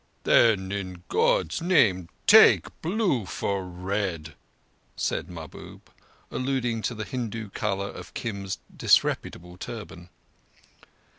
"Then in God's name take blue for red," said Mahbub, alluding to the Hindu colour of Kim's disreputable turban.